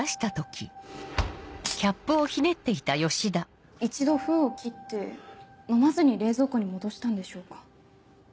炭酸が抜ける音一度封を切って飲まずに冷蔵庫に戻したんでしょうか？